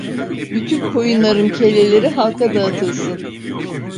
Bütün koyunların kelleleri halka dağıtılsın!